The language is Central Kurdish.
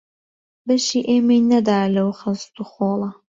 بەشی ئێمەی نەدا لەو خەست و خۆڵە